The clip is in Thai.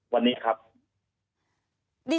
วันนี้ครับ